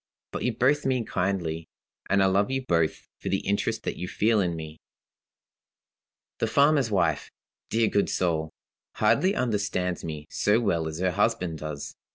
But you both mean kindly, and I love you both for the interest that you feel in me. "The farmer's wife dear good soul! hardly understands me so well as her husband does.